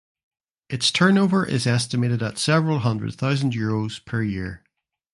Its turnover is estimated at several hundred thousand euros per year.